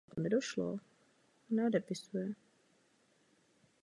Předcházení této hrozbě je jednoznačnou politickou prioritou.